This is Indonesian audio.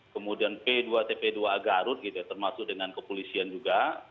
kemudian p dua tp dua a garut gitu ya termasuk dengan kepolisian juga